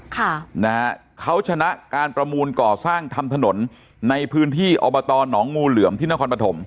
ค่ะนะฮะเขาชนะการประมูลก่อสร้างทำถนนในพื้นที่อบตหนองงูเหลือมที่นครปฐม